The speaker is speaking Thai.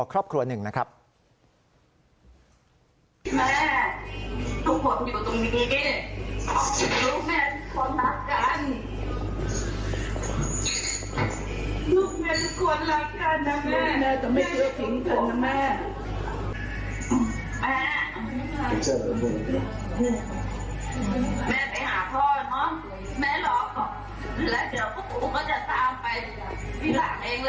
แม่แม่แม่ไปหาพ่อเนอะแม่หลอกแล้วเดี๋ยวพวกผมก็จะตามไปที่หลังเองแหละ